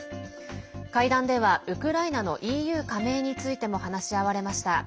会談ではウクライナのＥＵ加盟についても話し合われました。